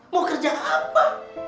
mau kerja apa